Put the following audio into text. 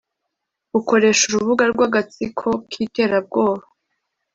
ukoresha urubuga rw agatsiko k iterabwoba